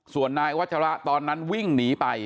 ส่วนนายวัชระตอนนั้นวิ่งหนีไป